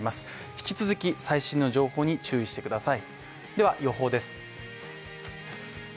引き続き最新の情報に注意してください。